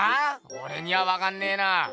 オレにはわかんねぇな。